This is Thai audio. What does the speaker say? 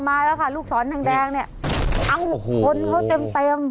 มาแล้วค่ะลูกสอนแดงแดงเนี่ยอ้าวโอ้โหคนเขาเต็มเต็ม